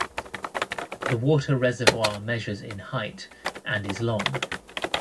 The water reservoir measures in height and is long.